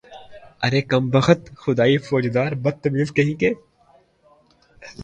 ارے کم بخت، خدائی فوجدار، بدتمیز کہیں کے